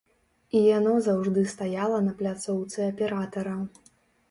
І яно заўжды стаяла на пляцоўцы аператара.